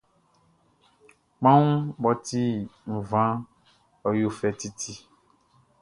Kpanwun mʼɔ ti nvanʼn, ɔ yo fɛ titi.